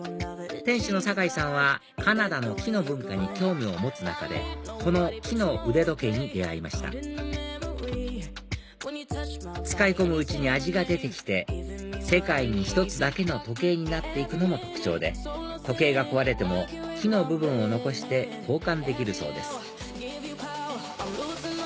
店主の坂井さんはカナダの木の文化に興味を持つ中でこの木の腕時計に出会いました使い込むうちに味が出て来て世界に一つだけの時計になって行くのも特徴で時計が壊れても木の部分を残して交換できるそうです